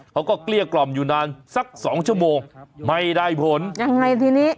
เกลี้ยกล่อมอยู่นานสักสองชั่วโมงไม่ได้ผลยังไงทีนี้